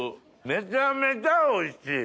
めちゃめちゃおいしい。